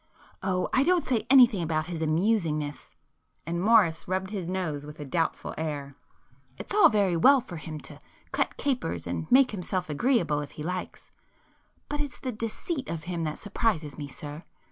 "Oh, I don't say anything against his amusingness,"—and Morris rubbed his nose with a doubtful air—"It's all very well for him to cut capers and make himself agreeable if he likes,—but it's the deceit of him that surprises me sir.